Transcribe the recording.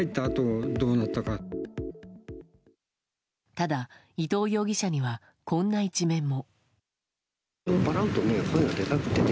ただ、伊藤容疑者にはこんな一面も。